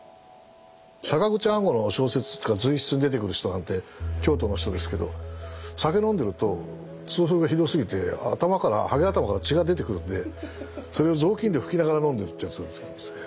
坂口安吾の小説とか随筆に出てくる人なんて京都の人ですけど酒飲んでると痛風がひどすぎて頭からはげ頭から血が出てくるんでそれを雑巾で拭きながら飲んでるってやつが。